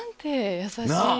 優しい。な？